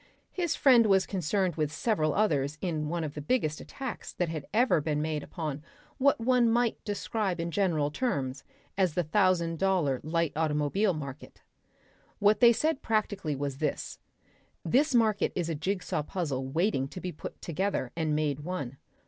His friend was concerned with several others in one of the biggest attacks that had ever been made upon what one might describe in general terms as the thousand dollar light automobile market. What they said practically was this: This market is a jig saw puzzle waiting to be put together and made one.